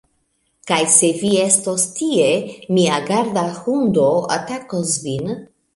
Kaj se vi estos tie, mia garda hundo atakos vin